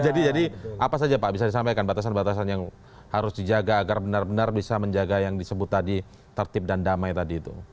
jadi apa saja pak bisa disampaikan batasan batasan yang harus dijaga agar benar benar bisa menjaga yang disebut tadi tertib dan damai tadi itu